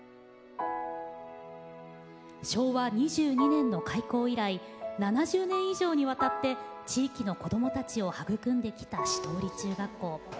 昭和２２年の開校以来７０年以上にわたって地域の子どもたちを育んできた倭文中学校。